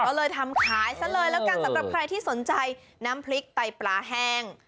ก็เลยทำขายซะเลยแล้วกันสำหรับใครที่สนใจน้ำพริกไตปลาแห้ง